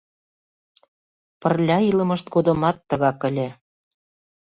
Пырля илымышт годымат тыгак ыле.